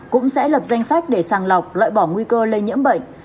cũng sẽ lập danh sách để sàng lọc loại bỏ nguy cơ lây nhiễm bệnh